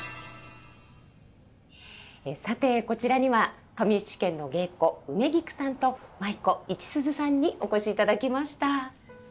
さてこちらには上七軒の芸妓梅ぎくさんと舞妓市すずさんにお越しいただきました。